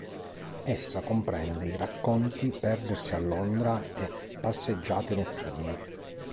Essa comprende i racconti "Perdersi a Londra" e Passeggiate notturne.